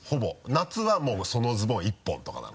夏はもうそのズボン１本とかなの。